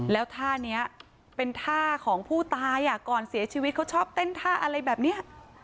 แล้วท่านี้เป็นท่าของผู้ตายก่อนเสียชีวิตเขาชอบเต้นท่าอะไรแบบนี้